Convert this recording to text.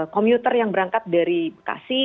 komuter yang berangkat dari bekasi